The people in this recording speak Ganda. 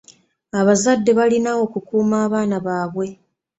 Abazadde balina okukuuma abaana baabwe.